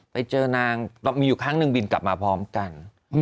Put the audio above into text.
ไปเจอนางมีอยู่ครั้งหนึ่งบินกลับมาพร้อมกัน